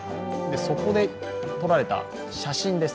そこで撮られた写真です。